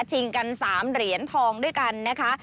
ชิงกัน๓เหรียญทองด้วยกันนะคะ